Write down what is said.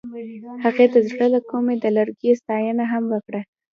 هغې د زړه له کومې د لرګی ستاینه هم وکړه.